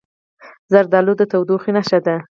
زردالو د تودوخې نښه ده.